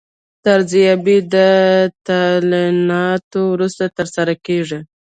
دا ارزیابي د تعیناتو وروسته ترسره کیږي.